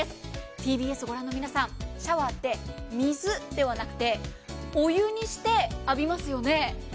ＴＢＳをご覧の皆さん、シャワーって、水ではなくてお湯にして浴びますよね？